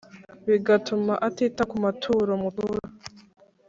bigatuma atita ku maturo mutura